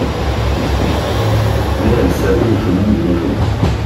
Mais elle savait le chemin du logement.